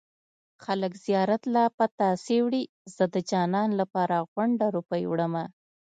خلک زيارت له پتاسې وړي زه د جانان لپاره غونډه روپۍ وړمه